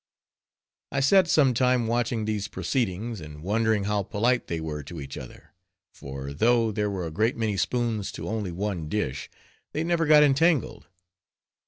I sat some time watching these proceedings, and wondering how polite they were to each other; for, though there were a great many spoons to only one dish, they never got entangled.